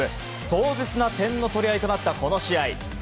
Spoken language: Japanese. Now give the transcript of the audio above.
壮絶な点の取り合いとなったこの試合。